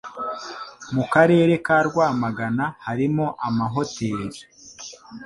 mu karere ka Rwamagana harimo amahoteri,